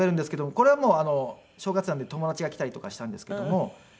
これはもう正月なんで友達が来たりとかしたんですけども。